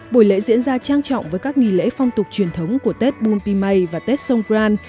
buổi lễ diễn ra trang trọng với các nghỉ lễ phong tục truyền thống của tết bun pimay và tết songkran